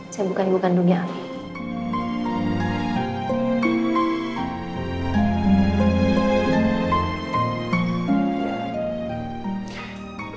saya bukan ibu kandungnya api